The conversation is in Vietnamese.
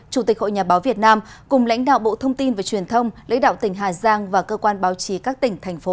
chủ tịch hội nhà báo việt nam cùng lãnh đạo bộ thông tin và truyền thông lãnh đạo tỉnh hà giang và cơ quan báo chí các tỉnh thành phố